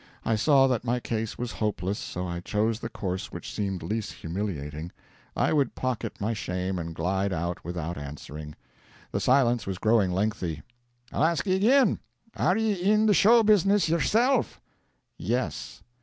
I saw that my case was hopeless, so I chose the course which seemed least humiliating: I would pocket my shame and glide out without answering. The silence was growing lengthy. "I'll ask ye again. Are ye in the show business yerself?" "Yes!"